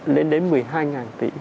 lên đến một mươi hai tỷ